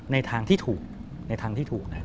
ในทางที่ถูก